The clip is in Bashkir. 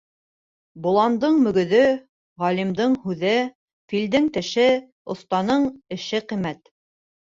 Боландың мөгөҙө, ғалимдың һүҙе, филдең теше, оҫтаның эше ҡиммәт.